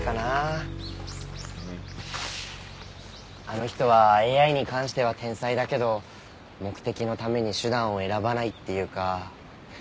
あの人はＡＩに関しては天才だけど目的のために手段を選ばないっていうか。